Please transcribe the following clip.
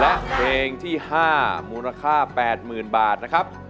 และเพลงที่๕มูลค่า๘๐๐๐บาทนะครับ